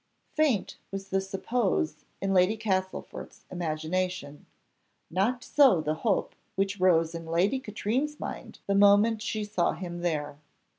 Faint was the suppose in Lady Castlefort's imagination. Not so the hope which rose in Lady Katrine's mind the moment she saw him here.